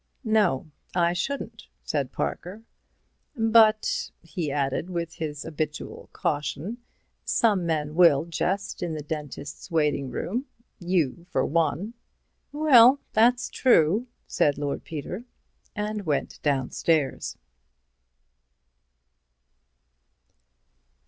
"No, I shouldn't," said Parker; "but," he added with his habitual caution, "some men will jest in the dentist's waiting room. You, for one." "Well, that's true," said Lord Peter, and went downstairs.